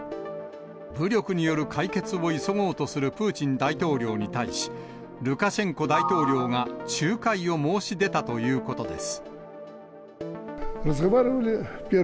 武力による解決を急ごうとするプーチン大統領に対し、ルカシェンコ大統領が仲介を申し出たということです。